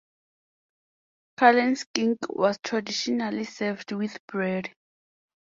Cullen skink was traditionally served with bread.